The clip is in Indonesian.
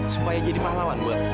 supaya jadi pahlawan gue